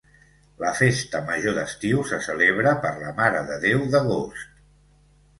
La festa major d'estiu se celebra per la Mare de Déu d'Agost.